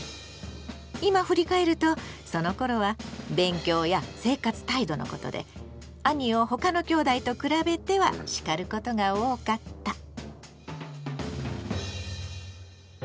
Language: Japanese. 今振り返るとそのころは勉強や生活態度のことで兄を他のきょうだいと比べては叱ることが多かった。